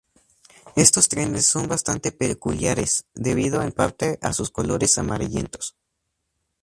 Estos trenes son bastante peculiares, debido en parte a sus colores amarillentos.